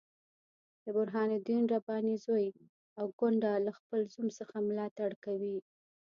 د برهان الدین رباني زوی او کونډه له خپل زوم څخه ملاتړ کوي.